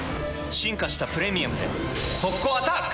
進化した「プレミアム」で速攻アタック！